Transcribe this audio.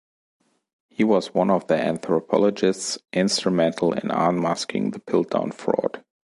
He was one of the anthropologists instrumental in unmasking the Piltdown fraud.